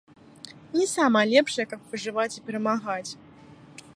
Не самая лепшая, каб выжываць і перамагаць.